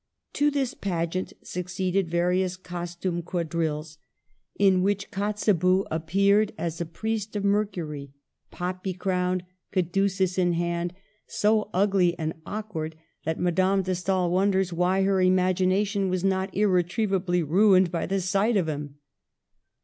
To this pageant succeeded various costume quadrilles, in which Digitized by VjOOQLC VISITS GERMANY. 1 37 Kotzebue appeared as a priest of Mercury, poppy crowned, caduceus in hand, and so ugly and awk ward, that Madame de Stael wonders why her imagination was not irretrievably ruined by the sight of him.